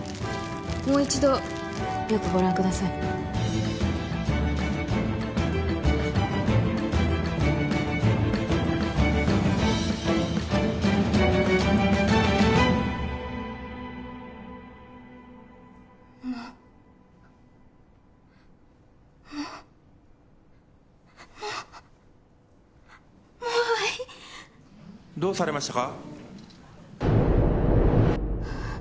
もう一度よくご覧くださいもももも愛どうされましたか？